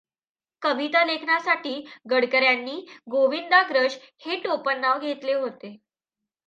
कवितालेखनासाठी गडकर् यांनी गोविंदाग्रज हे टोपण नाव घेतले होते.